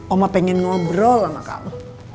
oma pengen ngobrol sama kamu